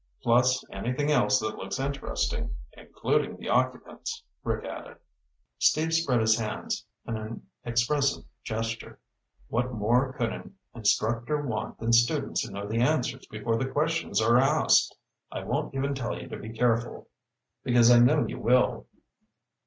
"Plus anything else that looks interesting, including the occupants," Rick added. Steve spread his hands in an expressive gesture. "What more could an instructor want than students who know the answers before the questions are asked? I won't even tell you to be careful, because I know you will."